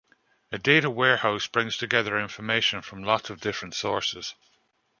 A 'data warehouse' brings together information from lots of different sources.